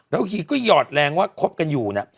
แล้วฮีก็หยอดแรงว่าคบกันอยู่นะ